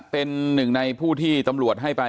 เป็นหนึ่งในผู้ที่ตำรวจ